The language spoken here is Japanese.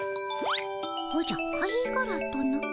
おじゃ貝がらとな？